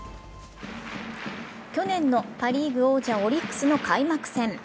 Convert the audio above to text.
去年のパ・リーグ王者、オリックスの開幕戦。